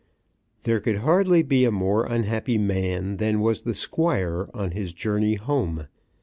There could hardly be a more unhappy man than was the Squire on his journey home.